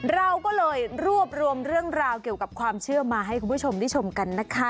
เราก็เลยรวบรวมเรื่องราวเกี่ยวกับความเชื่อมาให้คุณผู้ชมได้ชมกันนะคะ